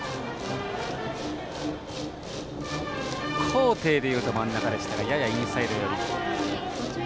高低で言うと真ん中でしたがややインサイド寄り。